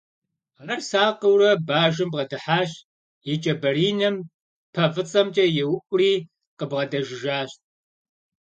Ар сакъыурэ бажэм бгъэдыхьащ, и кӀэ баринэм пэ фӀыцӀэмкӀэ еуӀури къыбгъэдэжыжащ.